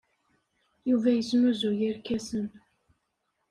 Yuba yesnuzuy irkasen.